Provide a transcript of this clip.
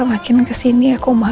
decir lanjut ya